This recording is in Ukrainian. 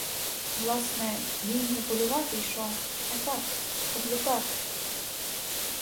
Власне, вій не полювати йшов, а так, поблукати.